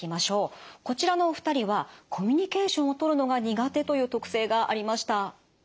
こちらのお二人はコミュニケーションをとるのが苦手という特性がありました。